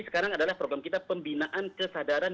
sekarang adalah program kita pembinaan kesadaran